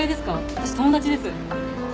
私友達です。